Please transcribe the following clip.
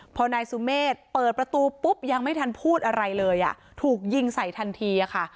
พอนายสุเมฆเปิดประตูปุ๊บยังไม่ทันพูดอะไรเลยอ่ะถูกยิงใส่ทันทีอะค่ะ